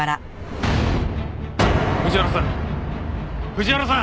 藤原さん！